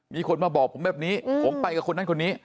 มีคนมาบอกผมแบบนี้ผมไปกับคนนั้นคนนี้